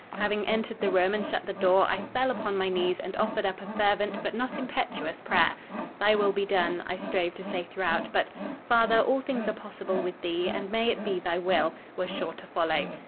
Having entered the room, and shut the door, I fell upon my knees and offered up a fervent but not impetuous prayer: "Thy will be done," I strove to say throughout; but, "Father, all things are possible with Thee, and may it be Thy will," was sure to follow.